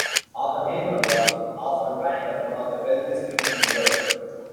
Oppenheimer was often ranked as one of the wealthiest people in the world.